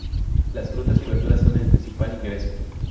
Las frutas y verduras son el principal ingreso.